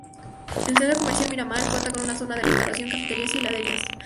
El Centro Comercial Miramar cuenta con una zona de restauración, cafeterías y heladerías.